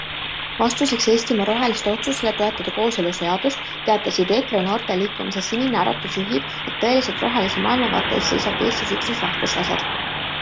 Vastuseks Eestimaa Roheliste otsusele toetada kooseluseadust, teatasid EKRE noorteliikumise Sinine Äratus juhid, et tõeliselt rohelise maailmavaate eest seisavad Eestis üksnes rahvuslased.